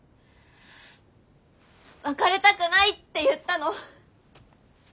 「別れたくない」って言ったの。